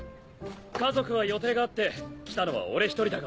家族は予定があって来たのは俺一人だが。